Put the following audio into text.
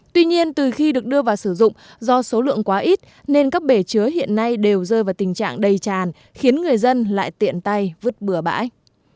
tuy nhiên từ khi được đưa vào sử dụng do số lượng quá ít nên các bể chứa hiện nay đều rơi vào tình trạng đầy tràn khiến người dân lại tiện tay vứt bừa bãi